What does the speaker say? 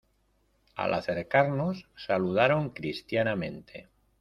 al acercarnos saludaron cristianamente: